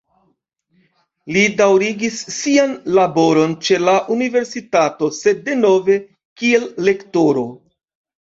Li daŭrigis sian laboron ĉe la universitato, sed denove kiel lektoro.